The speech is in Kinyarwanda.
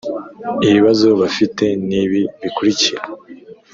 ibibazo bafite nibi bikurikira